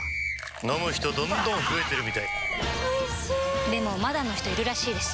飲む人どんどん増えてるみたいおいしでもまだの人いるらしいですよ